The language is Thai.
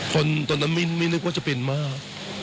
คนตรวจนามินไม่นึกว่าจะเป็นมาก